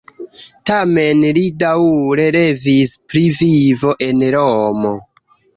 Tamen li daŭre revis pri vivo en Romo.